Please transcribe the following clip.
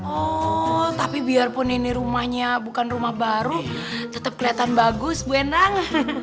oh tapi biarpun ini rumahnya bukan rumah baru tetap kelihatan bagus bu endang